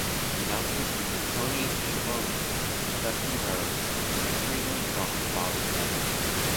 The announcers featured Tony Schiavone, Dusty Rhodes and an extremely drunk Bobby Heenan.